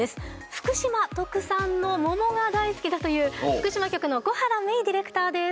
福島特産の桃が大好きだという福島局の小原芽生ディレクターです。